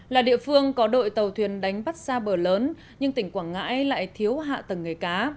là địa phương có đội tàu thuyền đánh bắt xa bờ lớn nhưng tỉnh quảng ngãi lại thiếu hạ tầng nghề cá